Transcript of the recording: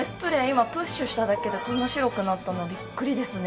今プッシュしただけでこんな白くなったのはびっくりですね。